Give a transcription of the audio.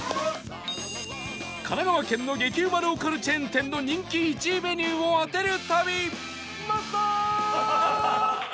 神奈川県の激うまローカルチェーン店の人気１位メニューを当てる旅！